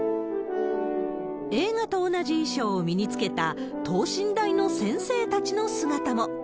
映画と同じ衣装を身に着けた、等身大の先生たちの姿も。